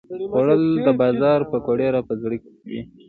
خوړل د بازار پکوړې راپه زړه کوي